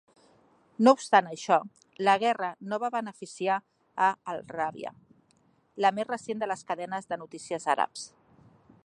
No obstant això, la guerra no va beneficiar a Al-Arabiya, la més recent de les cadenes de notícies àrabs.